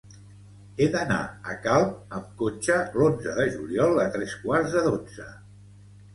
He d'anar a Calp amb cotxe l'onze de juliol a tres quarts de dotze.